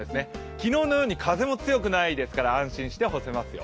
昨日のように風も強くないですから安心して干せますよ。